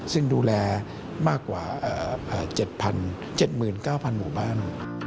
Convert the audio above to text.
ซึ่งดูแลมากกว่า๗๗๙๐๐หมู่บ้าน